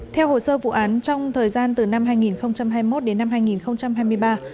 theo hồ sơ vụ án trong thời gian từ năm hai nghìn hai mươi một đến năm hai nghìn hai mươi ba